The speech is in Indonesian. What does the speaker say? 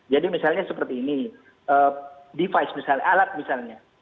jadi misalnya seperti ini device misalnya alat misalnya